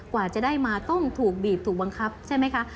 กว่าจะได้มาต้องถูกบีบถูกบังคับใช่ไหมคะ